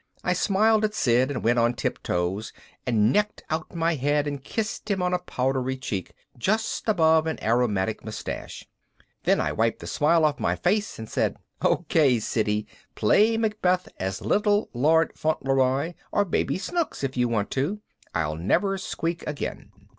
I smiled at Sid and went on tiptoes and necked out my head and kissed him on a powdery cheek just above an aromatic mustache. Then I wiped the smile off my face and said, "Okay, Siddy, play Macbeth as Little Lord Fauntleroy or Baby Snooks if you want to. I'll never squeak again.